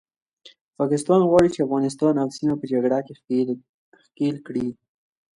پاکستان غواړي چې افغانستان او سیمه په جنګ کې ښکیل کړي